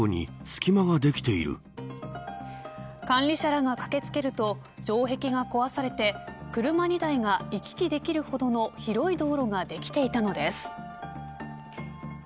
管理者らが駆け付けると城壁が壊されて車２台が行き来できるほどの広い道路ができていたのです。